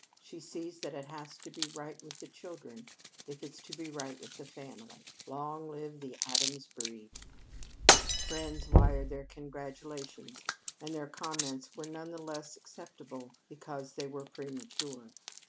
She sees that it has to be right with the children if it's to be right with the family. Long live the Addams breed!" Friends wired their congratulations, and their comments were none the less acceptable because they were premature.